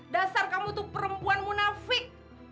dasar kamu itu perempuan munafik